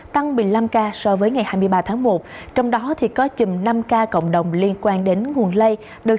tăng một mươi năm ca so với ngày hai mươi ba tháng một trong đó có chùm năm ca cộng đồng liên quan đến nguồn lây